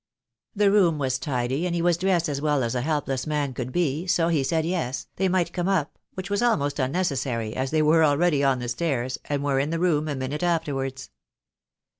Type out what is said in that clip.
The room was tidy, and he was dressed as well as a 24 THE °AY WILL COME. helpless man could be, so he said yes, they might come up, which was almost unnecessary, as they were already on the stairs, and were in the room a minute afterwards.